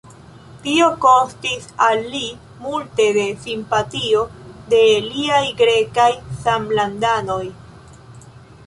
Tio kostis al li multe de simpatio de liaj grekaj samlandanoj.